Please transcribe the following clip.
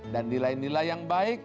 dan nilai nilai yang baik